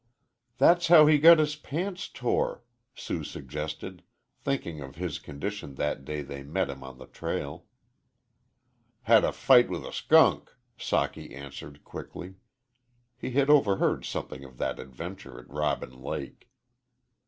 "That's how he got his pants tore," Sue suggested, thinking of his condition that day they met him on the trail. "Had a fight with a 'kunk," Socky answered, quickly. He had overheard something of that adventure at Robin Lake.